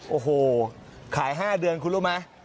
โอ้โหขาย๕เดือนคุณรู้ไหม